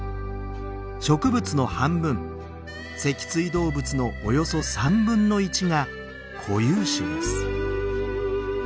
植物の半分脊椎動物のおよそ３分の１が固有種です。